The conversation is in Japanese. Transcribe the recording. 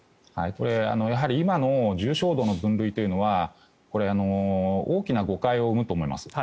やはり今の重症度の分類というのはこれ、大きな誤解を生むと思います。